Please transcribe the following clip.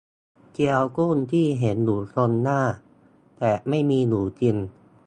เกี๊ยวกุ้งที่เห็นอยู่ตรงหน้า แต่ไม่มีอยู่จริง